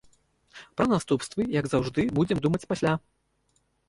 Пра наступствы, як заўжды, будзем думаць пасля.